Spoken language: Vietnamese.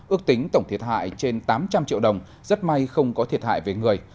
ước tính tổng thiệt hại trên tám trăm linh triệu đồng rất may không có thiệt hại về người